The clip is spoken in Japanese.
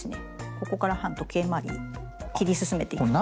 ここから反時計まわりに切り進めていきます。